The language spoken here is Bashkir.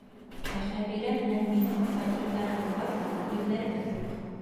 Ә Хәбирә менән минең фатирҙарыбыҙ бар ҙа, ирҙәребеҙ юҡ.